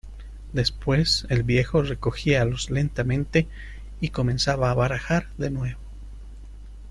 después el viejo recogíalos lentamente y comenzaba a barajar de nuevo.